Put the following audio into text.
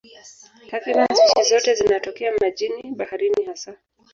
Takriban spishi zote zinatokea majini, baharini hasa.